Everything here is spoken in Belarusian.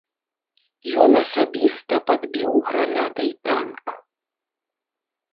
Ён асабіста падбіў гранатай танк.